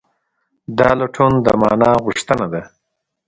دا لټون د مانا غوښتنه ده.